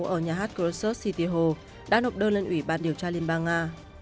ở nhà hát krosos city hall đã nộp đơn lên ủy ban điều tra liên bang nga